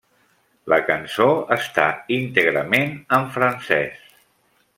La cançó està íntegrament en francès.